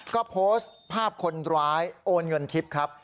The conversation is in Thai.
ก็โพสต์ภาพคนร้ายโอนเงินทิพย์ครับ